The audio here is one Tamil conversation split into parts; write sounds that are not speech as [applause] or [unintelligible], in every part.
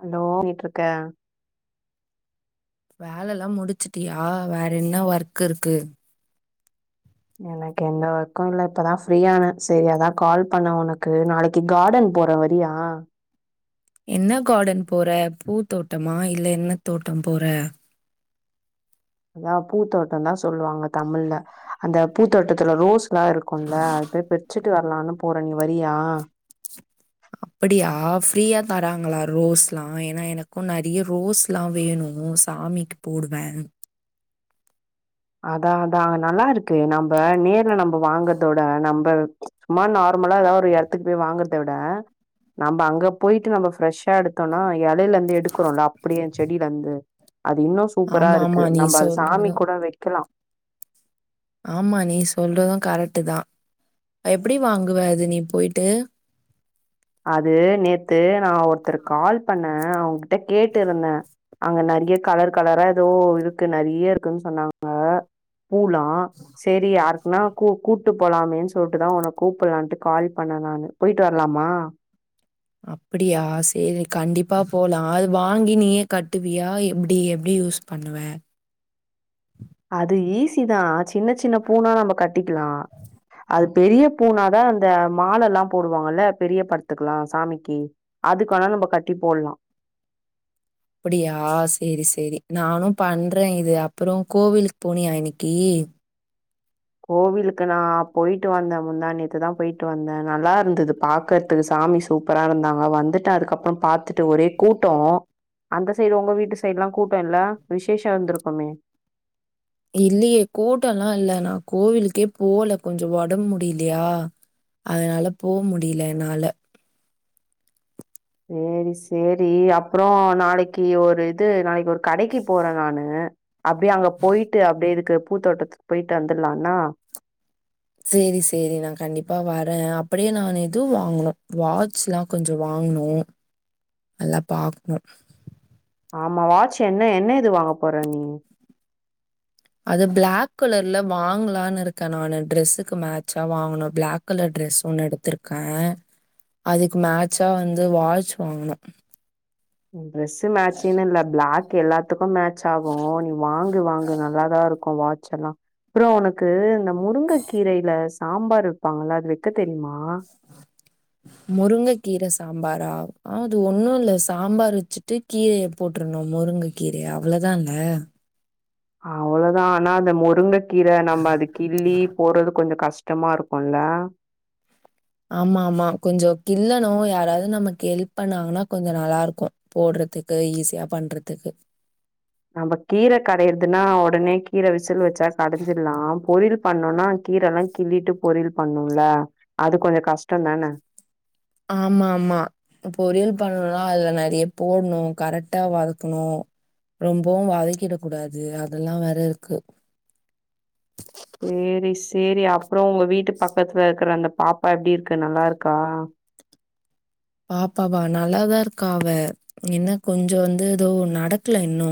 ஹலோ [unintelligible] இருக்க வேலல்லா முடிச்சுட்டியா வேற என்ன ஒர்க் இருக்கு எனக்கு எந்த ஒர்க்கு இல்ல இப்பதா ஃப்ரீயான செரி அதா கால் பண்ண உனக்கு நாளைக் கார்டன் போற வரியா என்ன கார்டன் போற பூ தோட்டமா இல்ல என்ன தோட்ட போற அதா பூத்தோட்டதா சொல்லுவாங்க தமிழ்ல அந்த பூத்தோட்டத்துல ரோஸ் ல்லா இருக்குல அது போய் பிரிச்சுட்டு வரலான்னு போறே நீ வரியா அப்படியா ஃப்ரீயா தராங்களா ரோஸ்ல்லா ஏனா எனக்கு நெறய ரோஸ் ல்லா வேணு சாமிக்கு போடுவ அதா அதா நல்லாருக்கு நம்ப நேர்ல நம்ப வாங்கறதோட நம்ப சும்மா நார்மலா எதாவது ஒரு எடத்துக்கு போய் வாங்குறத விட நம்ப அங்க போய்ட்டு நம்ப ஃப்ரெஷ்ஷா எடுத் த்தோனா எலையில இருந்து எடுக்குறோல அப்டியே செடில இருந்து அது இன்னு சு சூப்பரா ஆமா இருக்கு ஆமா நீ நம்ப அத சாமி சொல்றது கூட வக்கலா ஆமா நீ சொல்றது கரெக்ட்தா எப்டி வாங்குவ அது நீ போய்ட்டு அது நேத்து நா ஒருத்தருக் கால் பண்ணே அவுங்கிட்ட கேட்டு இருந்த அங்க நெறய கலர் கலரா எதோ இருக்கு நெறய இருக்குன் சொன்னாங்க பூ லா சரி யாருக்குன்னா கூ கூட்டு போலாமேன்னு சொல்ட்டுதா உன்ன கூப்புட்லான்ட்டு கால் பண்ணே நானு போய்ட்டு வரலாமா அப்டியா செரி கண்டிப்பா போலா அது வாங்கி நீயே கட்டுவியா எப்டி எப்டி யூஸ் பண்ணுவ அது ஈஸிதா சின்ன சின்ன பூ னா நம்ம கட்டிக்லா அது பெரிய பூனாதா அந்த மாலெல்லா போடுவாங்கல்ல பெரிய படத்துக்லா சாமிக்கி அதுக்கு வேணா நம்ம கட்டி போட்லா அப்டியா சேரி சேரி நானு பண்றே இது அப்றோ கோவிலுக்கு போனியா இன்னக்கி கோவிலுக்கு நா போயிட்டு வந்தே முந்தாநேத்து தா போயிட்டு வந்தே நல்லா இருந்தது பாக்கற துக்கு சாமி சூப்பரா இருந்தாங்க வந்துட்ட அதுக்கப்புறோ பாத்துட்டு ஒரே கூட்டோ அந்த சைடு உங்க வீட்டு சைடுலா கூட்டோ இல்ல விசேஷ இருந்திருக்குமே இல்லயே கூட்டல்லா இல்ல நா கோவிலுக்கே போல கொஞ்சோ ஒடம்பு முடிலயா அதனால போ முடியல என்னால செரி செரி அப்றோ நாளைக்கு ஒரு இது நாளைக்கு ஒரு கடைக்கு போறே நானு அப்டியே அங்க போயிட்டு அப்டியே இதுக்கு பூத்தோட்டத்துக்கு போயிட்டு வந்துடலானா செரி செரி நா கண்டிப்பா வரே அப்டியே நானு இதுவு வாங்கனு வாட்ச்லா கொஞ்ச வாங்கணு நல்லா பாக்ணு ஆமா வாட்ச் என்ன என்ன இது வாங்க போற நீ அது பிளாக் கலர்ல வாங்கலானு இருக்க நானு டிரெஸ்ஸுக்கு மேச்சா வாங்கனு பிளாக் கலர் ட்ரெஸ் ஒன்னு எடுத்திருக்க அதுக்கு மேட்சா வந்து வாட்ச் வாங்கனு டிரெஸ் மேச்சிங்னல்ல ப்ளாக் எல்லாத் த்துக்கு மேட்ச் ஆகு நீ வாங்கு வாங்கு நல்லாதா இருக்கு வாட்ச் எல்லா அப்றோ உனக்கு இந்த முருங்க கீரையில சாம்பார் வப்பாங்கள அது வைக்க தெரியுமா முருங்க கீர சாம்பாரா ஆ அது ஒன்னு இல்ல சாம்பார் வச்சுட்டு கீரய போட்ருணு முருங்க கீரய அவ்ளோ தான்ல அவ்ளோதா ஆனா அந்த முருங்க கீர நம்ம அத கிள்ளி போறது கொஞ்ச கஷ் ஷ்டமா இருக்குல்ல ஆமா ஆமா கொஞ்ச கிள்ளணு யாராவது நமக்கு ஹெல்ப் பண்ணாங்கனா கொஞ்ச நல்லா இருக்கு போட்றதுக்கு ஈஸியா பண்றதுக்கு நம்ம கீர கடயறதுன்னா ஒடனே கீர விசில் வச்சா கடஞ்சிட்லா பொரியல் பண்ணோனா கீர எல்லா கிள்ளிட்டு பொரியல் பண்ணுல அது கொஞ்ச கஷ்டோ தான ஆமா ஆமா பொரியல் பண்ணுனா அதுல நெறைய போடணு கரெக்டா வதக்கணு ரொம்பவு வதக்கிட கூடாது அதெல்லா வேற இருக்கு சேரி சேரி அப்புறோ உங்க வீட்டு பக்கத்துல இருக்ற அந்த பாப்பா எப்டி இருக்கு நல்லா இருக்கா பாப்பாவா நல்லாதா இருக்கா அவ என்ன கொஞ்சோ வந்து எதோ நடக்ல இன்னு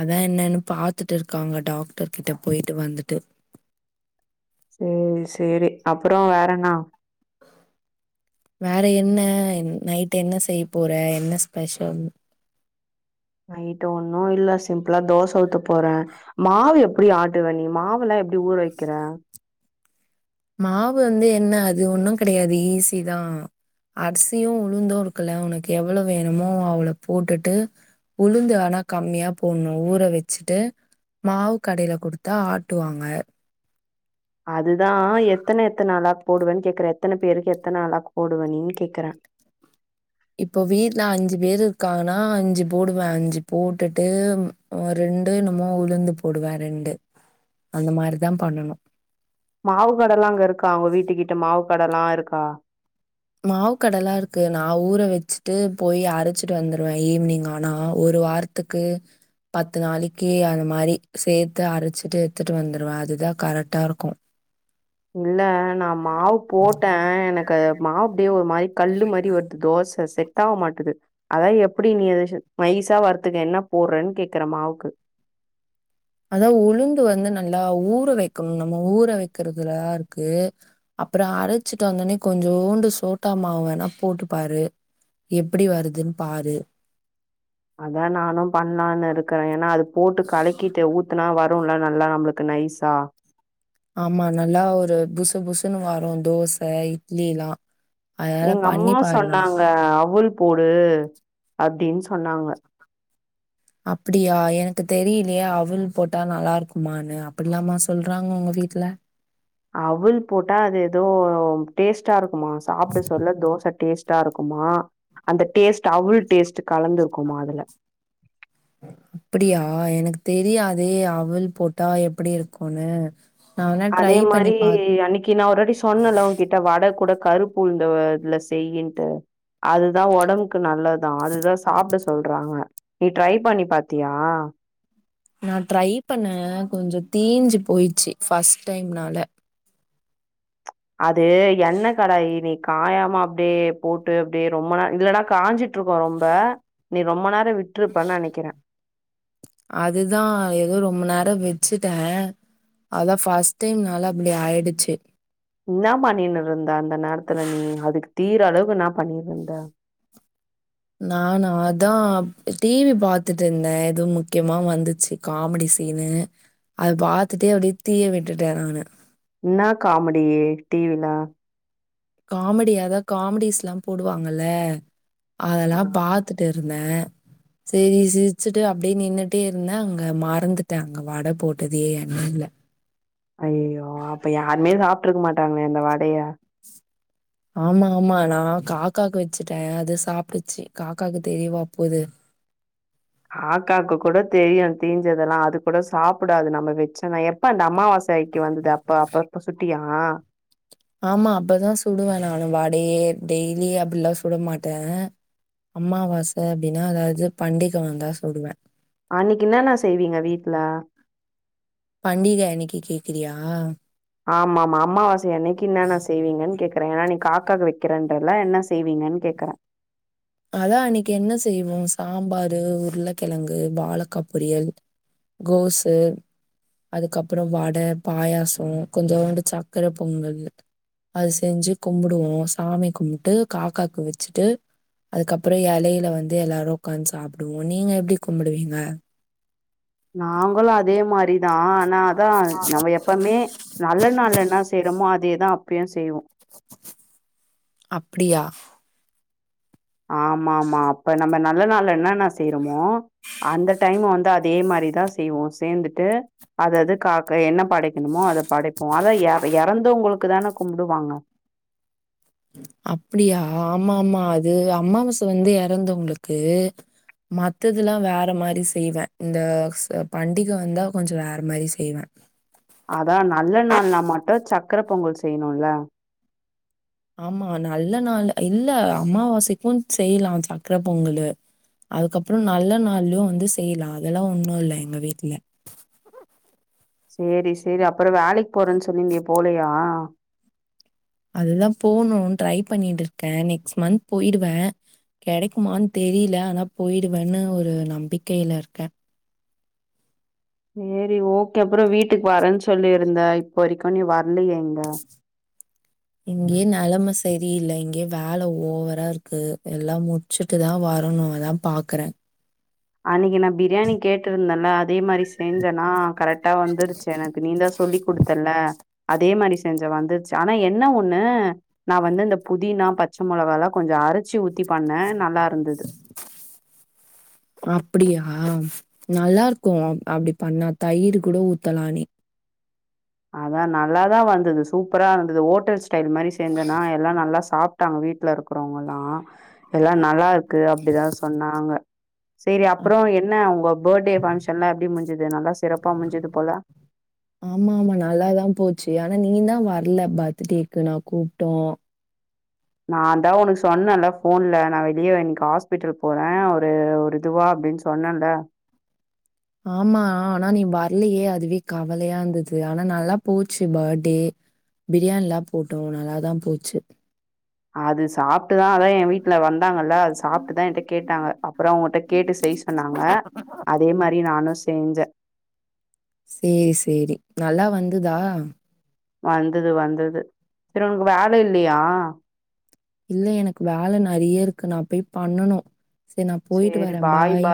அதா என்னன்னு பாத்துட்டு இருக்காங்க டாக்டர் கிட்ட போயிட்டு வந்துட்டு சேரி சேரி அப்புறோ வேறென்ன வேற என்ன நைட் என்ன செய்ய போற என்ன ஸ்பெஷல் நைட்டு ஒண்ணு இல்ல சிம்ப்லா தோச ஊத்தப் போறே மாவு எப்டி ஆட்டுவ நீ மாவல்லா எப்டி ஊற வக்கிற மாவு வந்து என்ன அது ஒண்ணு கெடையாது ஈஸிதா அரிசியு உளுந்து இருக்குல்ல உனக்கு எவ்வள வேணுமோ அவள போட்டுட்டு உளுந்து ஆனா கம்மியா போணு ஊற வச்சுட்டு மாவு கடைல குடுத்தா ஆட்டுவாங்க அதுதா எத்தன எத்தன அளாக் போடுவன் கேக்குறே எத்தன பேருக்கு எத்தன அளாக் போடுவ நீ கேக்குற இப்ப வீட்ல அஞ்சு பேரு இருக்காங்கன்னா அஞ்சு போடுவ அஞ்சு போட்டுட்டு ரெண்டு எனமோ உளுந்து போடுவ ரெண்டு அந்த மாரி தா பண்ணனு மாவு கட எல்லா அங்க இருக்கா உங்க வீட்டுகிட்ட மாவு கடல்லா இருக்கா மாவுக்கடலா இருக்கு நா ஊர வச்சுட்டு போய் அரச்சிட்டு வந்துருவே ஈவினிங் ஆனா ஒரு வாரத் துக்கு பத்து நாளைக்கி அந்த மாரி சேத்து அரச்சிட்டு எடுத்துட்டு வந்துருவே அதுதா கரெக்டா இருக்கு [inaudible] இல்ல நான் மாவு போட்டே எனக்கு மாவு அப்டியே ஒரு மாரி கல்லு மாதிரி வரு தோச செட்ட ஆக மாட்டுது அதா எப்டி நீ ஏதாச்சு மயசா வரத்துக்க என்ன போடறன்னு கேக்குற மாவுக்கு அதா உளுந்து வந்து நல்லா ஊற வெக்கணு நம்ம ஊற வைக்கிறதுலதா இருக்கு அப்புற அரைச்சிட்டு வந்தடனே கொஞ்சோண்டு சோட்டா மாவு வேணா போட்டுப்பாரு எப்டி வருதுன்னு பாரு அதா நானு பண்ணலான்னு இருக்கிறே ஏன்னா அது போட்டு கலக்கிட்டு ஊத்துனா வர ரவ்ண்டா நல்லா நம்மளுக்கு நைஸா ஆமா நல்லா ஒரு புசு புசுன்னு வரு தோச இட்லி எல்லா எங்க அம்மா சொன்னாங்க அவ்ல் போடு அப்டின்னு சொன்னாங்க அப்டியா எனக்கு தெரியலையே அவல் போட்டா நல்லா இருக்குமான்னு அப்டிலாமா சொல்றாங்க உங்க வீட்டுல அவுல் போட்டா அது ஏதோ டேஸ்ட்டா இருக்குமா சாப்பிட சொல்ல தோச டேஸ்ட் ட்டா இருக்குமா அந்த டேஸ்ட் அவ்ல் டேஸ்ட் கலந்துருக்குமா அதுல அப்டியா எனக்கு தெரியாதே அவ்ல் போட்டா எப்டி இருக்குனு அதே மாரி அன்னைக்கி நா ஒருவாட்டி சொன்னல உ கிட் வடை கூட கருப்பு உளுந்து ல செய்யின்ட்டு அதுதா ஒடம்புக்கு நல்லதா அதுதா சாப்பிட சொல்றாங்க நீ ட்ரை பண்ணி பாத்தியா நா ட்ரை பண்ணே கொஞ்சோ தீஞ்சு போயிடுச்சு ஃபர்ஸ்ட் டைம்னால அது எண்ணெய கடாய நீ காயாம அப்டியே போட்டு அப்டியே ரொம்ப நா இல்லன்னா காயஞ்சி ட்டு இருக்கு ரொம்ப நீ ரொம்ப நேரம் விட்டுருப்பன்னு நெனைக்கிற அதுதா ஏதோ ரொம்ப நேரோ வெச்சுட்டே அதா ஃபஸ்ட் டைம்னால அப்டி ஆயிடுச்சு இன்னா பண்னினு இருந்தா அந்த நேரத்துல நீ அதுக்கு தீயிர அளவு என்னா பண்ணிருந்தா நான அதா டி வி பாத்துட்டு இருந்தே எதுவு முக்கியமா வந்துச்சு காமெடி சீனு அத பாத்துட்டே அப்டியே தீய விட்டுட்டே நானு என்னா காமெடி டி வி ல காமெடி அத காமெடிஸ் எல்லா போடுவாங்கல்ல அ அதெல்லா பா த்துட்டு இருந்தே சரி சிரிச்சுட்டு அப்டியே நின்னுட்டே இருந்தா அங்க மறந்துட்டா அங்க வடை போட்டதே எண்ணையில அய்யய்யோ அப்ப யாருமே சாப்பிட்டுருக்க மாட்டாங்களே அந்த வடைய ஆமா ஆமா நா காக்காக்கு வச்சுட்டே அது சாப்பிடுச்சு காக்காக்கு தெரியவா போது காக்காக்கு கூட தெரியு தீஞ்சதெல்லா அது கூட சாப்பிடாது நம்ம வச்சோனா எப்ப அந்த அம்மாவா சை க்கு வந்ததே அப்ப அப்ப அப்ப சுட்டியா ஆமா அப்பதா சுடுவே நானு வடையே டெய்லி அப்டிலா சுட மாட்டே அம்மாவாசை அப்டின்னா எதாது பண்டிகை வந்தா சுடுவே அன்னைக்கி என்னன்னா செய்வீங்க வீட்டுல பண்டிகையன்னைக்கி கேக்கிறியா ஆமா ஆமா அமாவாசை அன்னைக்கு இன்னான்ன செய்வீங்கன்னு கேக்குறே ஏன்னா நீ காக்காக்கு வெக்கிறேன்றல என்ன செய்வீங்கன்னு கேக்குறே அதா அன்னைக்கி என்ன செய்வோ சாம்பாரு உருளக்கிழங்கு வாழக்கா பொரியல் கோசு அதுக்கப்றோ வட பாயாசோ கொஞ்சோண்டு சக்கர பொங்கல் அது செஞ்சு கும்பிடுவோ சாமி கும்புட்டு காக்காக்கு வச்சுட்டு அதுக்கப்றோ எலையில வந்து எல்லாரு உக்காந்து சாப்பிடுவோ நீங்க எப்டி கும்புடுவீங்க நாங்களு அதே மாரி நான் ஆனா அதான் நம்ம எப்பமே நல்ல நாள்ல என்ன செய்றோமோ அதேதான் அப்பயு செய்வோ அப்டியா ஆமா ஆமா அப்ப நம்ம நல்ல நாள்ல என்னன்ன செய்றமோ அந்த டைம் வந்து அதே மாரிதான் செய்வோம் சேர்ந்துட்டு அத அது காக்க என்ன படைக்கணுமோ அத படைப்போ அத இற இறந்தவங்களுக்கு தான கும்டுவாங்க அப்டியா ஆமா ஆமா அது அம்மாவாச வந்து இறந்தவுங்களுக்கு மத்ததெல்லா வேற மாரி செய்வேன் இந்த ச பண்டிக வந்தா கொஞ்சோ வேற மாரி செய்வேன் அதான் நல்ல நாள்னா மட்டு சக்கர பொங்கல் செய்யணுல ஆமா நல்ல நாள் இல்ல அம்மாவாசைக்கு செய்லா சக்கர பொங்கலு அதுக்கப்றோ நல்ல நாள்லயு வந்து செய்லா அதெல்லா ஒண்ணு இல்ல எங்க வீட்ல சேரி சேரி அப்றோ வேலைக்கு போறேன்னு சொல்லியிருந்தியே போலையா அதுதான் போணு ட்ரை பண்ணிட்டு இருக்கேன் நெக்ஸ்ட் மந்த் போயிடுவேன் கிடைக்குமான் தெரில ஆனா போய்டுவேன்னு ஒரு நம்பிக்கையில இருக்கேன் சேரி ஓகே அப்றோ வீட்டுக்கு வரேன்னு சொல்லிருந்த இப்போ வரைக்கு நீ வரலையே இங்க இங்கேயே நலம சரியில்ல இங்கயே வேல ஓவரா இருக்கு எல்லா மு டிச்சுட்டு தான் வரணு அதான் பாக்குறேன் அன்னிக்கு நான் பிரியாணி கேட்டிருந்தேல அதே மாரி செஞ்சனா கரெக்டா வந்துருச்சு எனக்கு நீ தான் சொல்லிகுடுத்தல்ல அதே மாரி செஞ்ச வந்துருச்சு ஆனா என்ன ஒண்ணு நா வந்து இந்த புதினா பச்ச மொளகால்லா கொஞ்சோ அறச்சி ஊத்தி பண்ணேன் நல்லா இருந்தது அப்டியா நல்லா இருக்கும் அ அப்டி பண்ணா தயிர் கூட ஊத்தலா நீ அதான் நல்லாதான் வந்தது சூப்பரா வந்தது ஹோட்டல் ஸ்டைல் மாரி செஞ்சனா எல்லா நல்லா சாப் டாங்க வீட்ல இருக்குறவங்கயெல்லா எல்லா நல்லா இருக்கு அப்டிதான் சொன்னாங்க சேரி அப்றோ அப் என்ன உங்க பேர்த்டே பங்க்ஷன்லா எப்டி முஞ்சது நல்லா சிறப்பா முஞ்சுது போல ஆமா ஆமா நல்லாதான் போச்சு ஆனா நீ தான் வர்ல பர்த்டேக்கு நான் கூப்டோ நான் அதான் உனக்கு சொன்னேன்ல்ல போன்ல நான் வெளியே இன்னைக்கு ஹாஸ்பிட்டல் போறே ஒரு ஒரு இதுவா அப்டின் சொ சொன்னன்ல ஆமா ஆனா நீ வர்லையே அதுவே கவலையா இருந்தது ஆனா நல்லா போச்சு பேட்டே பிரியாணிலா போட்டோ நல்லா தான் போச்சு அது சாப்ட்டுதான் அதான் என் வீட்ல வந்தாங்கல்ல அது சாப்ட்டுதான் என்கிட்ட கேட்டாங்க அப்றோ உங்கிட்ட கேட்டு செய் சொன்னாங்க அதே மாரி நானு செஞ்சேன் சேரி சேரி நல்லா வந்துதா வந்தது வந்தது சேரி உனக்கு வேல இல்லையா இல்ல எனக்கு வேல நறைய இருக்கு நான் போய் பண்ணனு சேரி நான் போய்ட்டு வரேன் பாய்